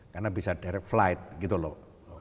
karena bisa direct flight gitu loh